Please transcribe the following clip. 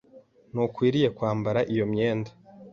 Ntukwiriye kwambara iyo myenda.